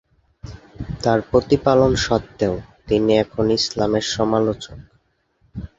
তার প্রতিপালন সত্ত্বেও, তিনি এখন ইসলামের সমালোচক।